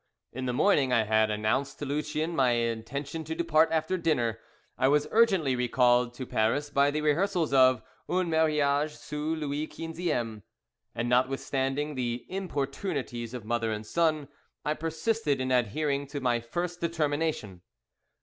In the morning I had announced to Lucien my intention to depart after dinner. I was urgently recalled to Paris by the rehearsals of "Un Mariage sous Louis XV.," and notwithstanding the importunities of mother and son, I persisted in adhering to my first determination.